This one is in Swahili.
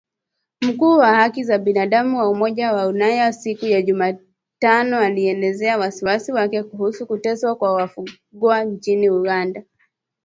Mkuu wa haki za binadamu wa Umoja wa Ulaya siku ya Jumatano alielezea wasiwasi wake kuhusu kuteswa kwa wafungwa nchini Uganda.